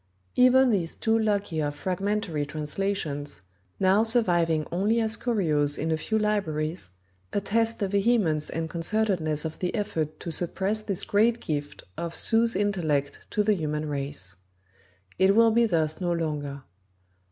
Even these two luckier fragmentary translations, now surviving only as curios in a few libraries, attest the vehemence and concertedness of the effort to suppress this great gift of Sue's intellect to the human race. It will be thus no longer.